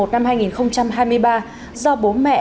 năm hai nghìn hai mươi ba do bố mẹ